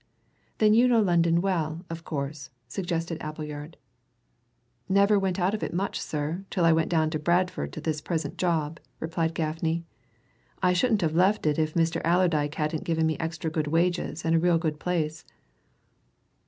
"Then you know London well, of course," suggested Appleyard. "Never went out of it much, sir, till I went down to Bradford to this present job," replied Gaffney. "I shouldn't have left it if Mr. Allerdyke hadn't given me extra good wages and a real good place."